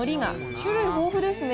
種類豊富ですね。